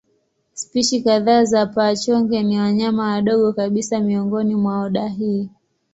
Spishi kadhaa za paa-chonge ni wanyama wadogo kabisa miongoni mwa oda hii.